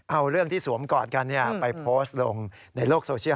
เอาเรื่องที่สวมกอดกันไปโพสต์ลงในโลกโซเชียล